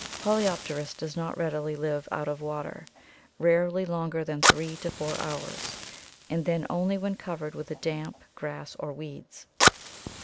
Polypterus does not readily live out of water, rarely longer than three to four hours, and then only when covered with damp grass or weeds.